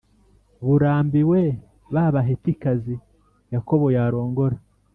burambiwe ba Bahetikazi Yakobo yarongora